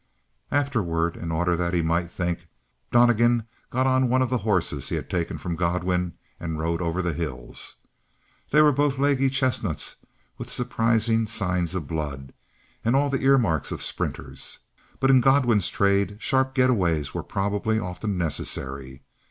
Afterward, in order that he might think, Donnegan got on one of the horses he had taken from Godwin and rode over the hills. They were both leggy chestnuts, with surprising signs of blood' and all the earmarks of sprinters; but in Godwin's trade sharp getaways were probably often necessary.